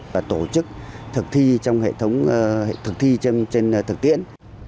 và tổ chức thực thi trên thực tiễn